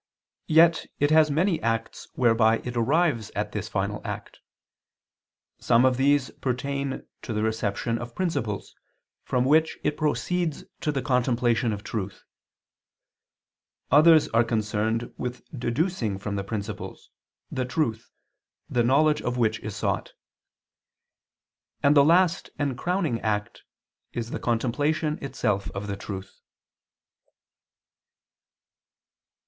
Yet it has many acts whereby it arrives at this final act. Some of these pertain to the reception of principles, from which it proceeds to the contemplation of truth; others are concerned with deducing from the principles, the truth, the knowledge of which is sought; and the last and crowning act is the contemplation itself of the truth.